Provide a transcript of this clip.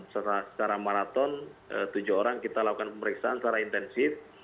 secara maraton tujuh orang kita lakukan pemeriksaan secara intensif